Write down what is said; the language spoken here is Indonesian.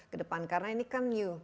ke depan karena ini kan you